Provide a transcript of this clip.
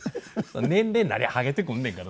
年齢になりゃハゲてくんねんから。